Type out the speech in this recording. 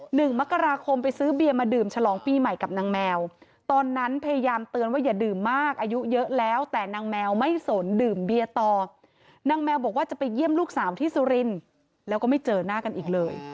หนึ่งมกราคมไปซื้อเบียร์มาดื่มฉลองปีใหม่กับนางแมวตอนนั้นพยายามเตือนว่าอย่าดื่มมากอายุเยอะแล้วแต่นางแมวไม่สนดื่มเบียร์ต่อนางแมวบอกว่าจะไปเยี่ยมลูกสาวที่สุรินทร์แล้วก็ไม่เจอหน้ากันอีกเลย